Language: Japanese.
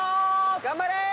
頑張れ！